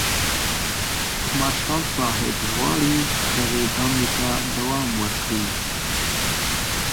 مارشال صاحب غواړي دغې دندې ته دوام ورکړي.